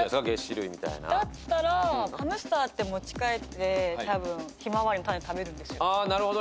だったらハムスターって持ち帰ってたぶんヒマワリの種食べるんですよ。